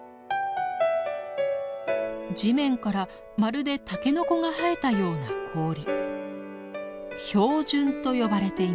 地面からまるでタケノコが生えたような氷。